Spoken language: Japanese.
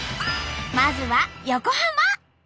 まずは横浜。